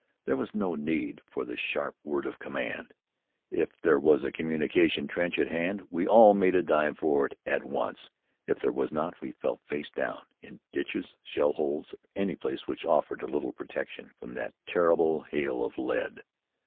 There was no need for the sharp word of command. If there was a communication trench at hand, we all made a dive for it at once. If there was not, we fell face down, in ditches, shell holes, in any place which offered a little protection from that terrible hail of lead.